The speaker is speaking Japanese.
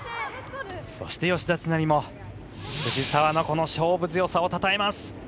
そして吉田知那美も藤澤のこの勝負強さをたたえます。